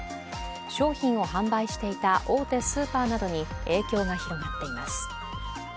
商品を販売していた大手スーパーなどに影響が広がっています。